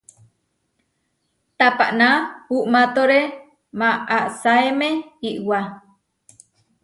Tapaná uʼmátore maʼasáeme iʼwá.